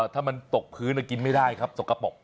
ถ้ามันตกพื้นกินไม่ได้ครับสกปรก